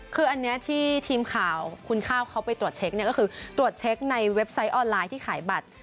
คืออันนี้ที่ทีมข่าวคุณข้าวเขาไปตรวจเช็คเนี่ยก็คือตรวจเช็คในเว็บไซต์ออนไลน์ที่ขายบัตร